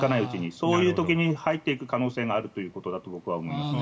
そういう時に入っていく可能性があるということだと僕は思います。